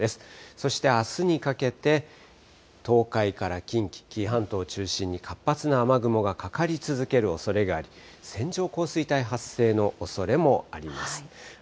そしてあすにかけて、東海から近畿、紀伊半島を中心に活発な雨雲がかかり続けるおそれがあり、線状降水帯発生のおそれもあります。